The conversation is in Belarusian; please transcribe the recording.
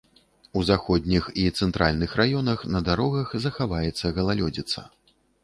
У заходніх і цэнтральных раёнах на дарогах захаваецца галалёдзіца.